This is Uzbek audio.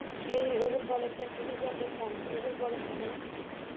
Ey, oʻgʻilbolachasiga gaplashamiz. Oʻgʻil bolasan-a?